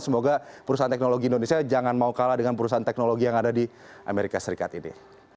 semoga perusahaan teknologi indonesia jangan mau kalah dengan perusahaan teknologi yang ada di amerika serikat ini